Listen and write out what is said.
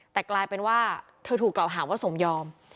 แต่กลายเป็นว่าเธอถูกกล่าวหาว่าสมยอม